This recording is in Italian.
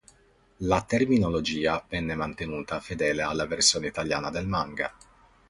La terminologia venne mantenuta fedele alla versione italiana del manga.